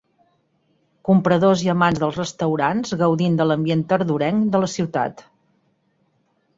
Compradors i amants dels restaurants gaudint de l'ambient tardorenc de la ciutat.